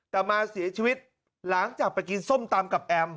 แต่มาเสียชีวิตหลังจากไปกินส้มตำกับแอม